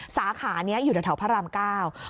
สาขานี้อยู่ในแถวพระราม๙